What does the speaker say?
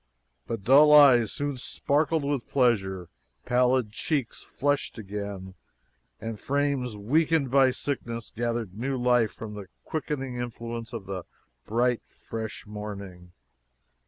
But dull eyes soon sparkled with pleasure, pallid cheeks flushed again, and frames weakened by sickness gathered new life from the quickening influences of the bright, fresh morning.